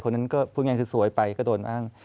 นั้นก็พูดง่ายคือสวยไปก็โดนอ้าง